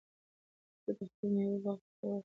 تاسو د خپلو مېوو باغ ته په وخت اوبه ورکړئ.